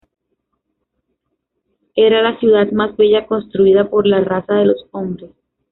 Era la ciudad más bella construida por la raza de los Hombres.